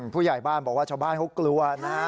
ผู้ใหญ่บ้านบอกว่าชาวบ้านเขากลัวนะ